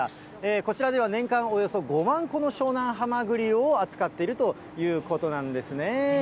こちらでは、年間およそ５万個の湘南はまぐりを扱っているということなんですね。